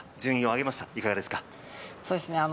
順位を上げましたがいかがですか？